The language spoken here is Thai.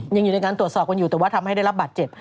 ยังอยู่ในการตรวจสอบกันอยู่แต่ว่าทำให้ได้รับบาดเจ็บ